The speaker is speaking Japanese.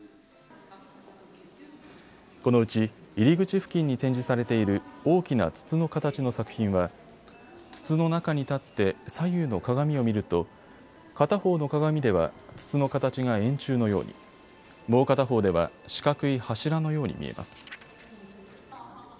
このうち入り口付近に展示されている大きな筒の形の作品は筒の中に立って左右の鏡を見ると片方の鏡では筒の形が円柱のように、もう片方では四角い柱のように見えます。